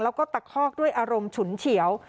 แล้วก็ตะคอกด้วยอารมณ์ฉุนเฉียว